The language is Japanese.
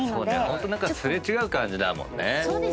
ホント擦れ違う感じだもんね。